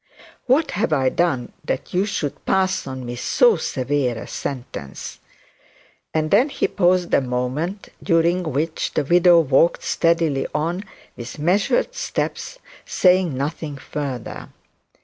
What have I done that you should pass on me so severe a sentence?' and then he paused a moment, during which the widow walked steadily on with measured step, saying nothing further.